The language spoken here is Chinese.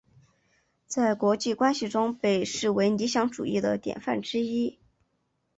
在国际关系中被视为理想主义的典范之一。